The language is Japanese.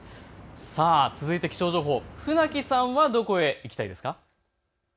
続いて気象情報、船木さんはどこへ行きたいですか。